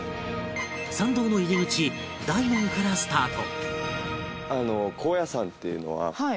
参道の入り口大門からスタート